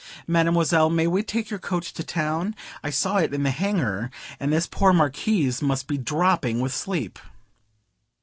Mademoiselle, may we take your coach to town? I saw it in the hangar, and this poor Marquis must be dropping with sleep."